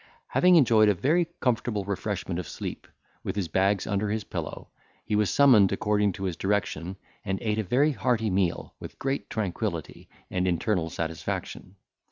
Having enjoyed a very comfortable refreshment of sleep, with his bags under his pillow, he was summoned, according to his direction, and ate a very hearty meal, with great tranquillity and internal satisfaction.